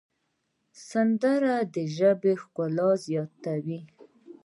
سندره د ژبې ښکلا زیاتوي